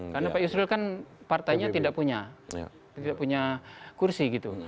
karena pak yusril kan partainya tidak punya kursi